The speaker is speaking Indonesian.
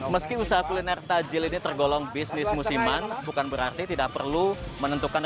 meski usaha kuliner tajil ini tergolong bisnis musiman bukan berarti tidak perlu menentukan